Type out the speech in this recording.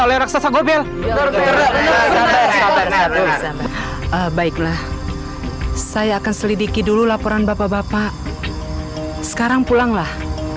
oleh reksasa gobel baiklah saya akan selidiki dulu laporan bapak bapak sekarang pulanglah